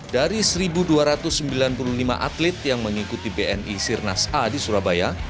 dari satu dua ratus sembilan puluh lima atlet yang mengikuti bni sirnas a di surabaya